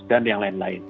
dan yang lain lain